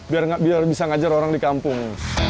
biar bisa ngajar orang di kampung